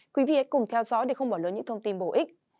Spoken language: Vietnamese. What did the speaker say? quý vị hãy cùng theo dõi để không bỏ lỡ những thông tin bổ ích